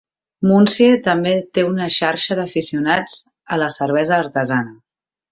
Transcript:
Muncie també té una xarxa d'aficionats a la cervesa artesana.